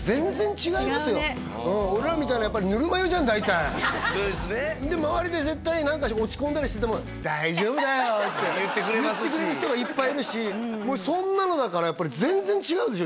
違うね俺らみたいのぬるま湯じゃん大体そうですねで周りで絶対何か落ち込んだりしてても言ってくれますし言ってくれる人がいっぱいいるしそんなのだからやっぱり全然違うでしょ